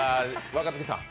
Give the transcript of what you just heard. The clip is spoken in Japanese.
若槻さん